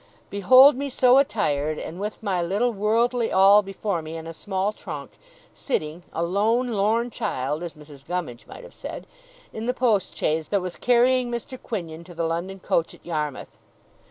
Behold me so attired, and with my little worldly all before me in a small trunk, sitting, a lone lorn child (as Mrs. Gummidge might have said), in the post chaise that was carrying Mr. Quinion to the London coach at Yarmouth!